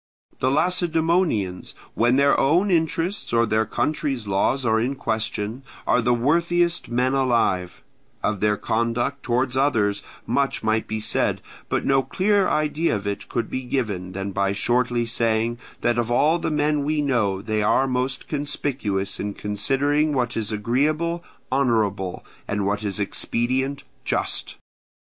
The Lacedaemonians, when their own interests or their country's laws are in question, are the worthiest men alive; of their conduct towards others much might be said, but no clearer idea of it could be given than by shortly saying that of all the men we know they are most conspicuous in considering what is agreeable honourable, and what is expedient just.